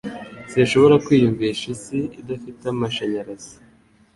Sinshobora kwiyumvisha isi idafite amashanyarazi.